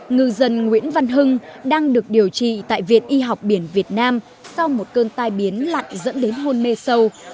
ngư dân nguyễn văn hưng đang được điều trị tại viện y học biển việt nam sau một cơn tai biến lặn dẫn đến hôn mê sâu